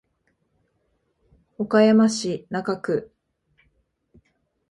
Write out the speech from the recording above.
岡山市中区